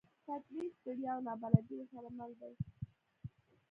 تکلیف، ستړیا، او نابلدي ورسره مل دي.